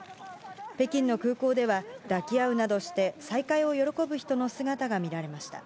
北京の空港では、抱き合うなどして、再会を喜ぶ人の姿が見られました。